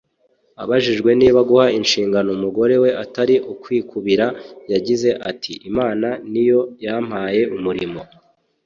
Abajijwe niba guha inshingano umugore we atari ukwikubira yagize ati “Imana ni yo yampaye umurimo